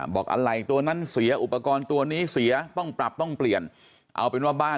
บอกอะไรตัวนั้นเสียอุปกรณ์ตัวนี้เสียต้องปรับต้องเปลี่ยนเอาเป็นว่าบ้าน